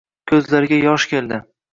Ko`zlariga yosh keldi